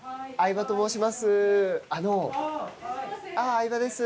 相葉です。